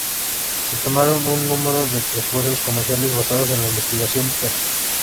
Se tomaron un número de esfuerzos comerciales basados en la investigación, "p.